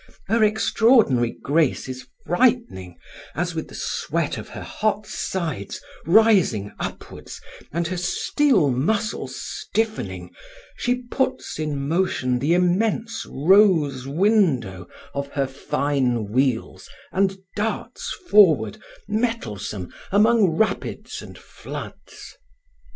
Her extraordinary grace is frightening, as, with the sweat of her hot sides rising upwards and her steel muscles stiffening, she puts in motion the immense rose window of her fine wheels and darts forward, mettlesome, along rapids and floods.